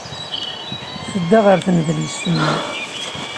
Tedda ɣer tnedlist-nni.